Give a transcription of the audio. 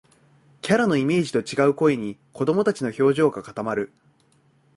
キャラのイメージと違う声に、子どもたちの表情が固まる